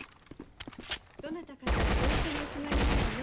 どなたかとご一緒にお住まいになるのね。